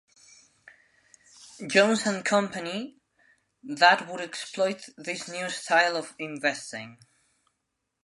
Jones and Company, that would exploit this new style of investing.